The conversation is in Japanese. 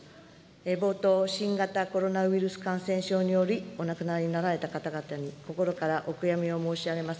冒頭、新型コロナウイルス感染症により、お亡くなりになられた方々に心からお悔やみを申し上げます。